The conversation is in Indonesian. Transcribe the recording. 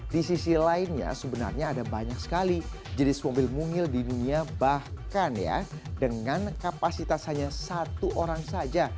di sisi lainnya sebenarnya ada banyak sekali jenis mobil mungil di dunia bahkan ya dengan kapasitas hanya satu orang saja